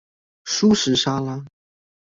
蔬食沙拉